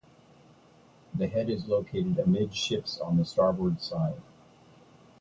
The head is located amidships on the starboard side.